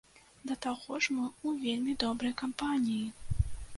Да таго ж, мы ў вельмі добрай кампаніі.